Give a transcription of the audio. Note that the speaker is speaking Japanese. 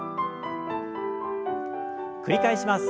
繰り返します。